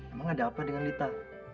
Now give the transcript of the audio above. emang ada apa dengan lita